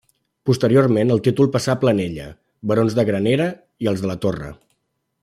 Posteriorment, el títol passà als Planella, barons de Granera, i als de la Torre.